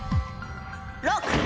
ＬＯＣＫ！